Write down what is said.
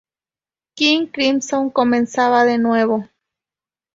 King Crimson comenzaba de nuevo.